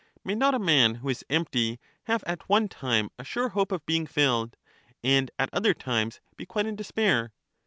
May not a man who is empty have at one time a sure hope of being filled, and at other times be quite in despair